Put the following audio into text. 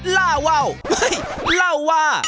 ล่าวาวไม่ล่าวา